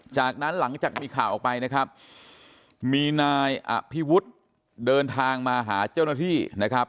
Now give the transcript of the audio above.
จากนั้นหลังจากมีข่าวออกไปนะครับมีนายอภิวุฒิเดินทางมาหาเจ้าหน้าที่นะครับ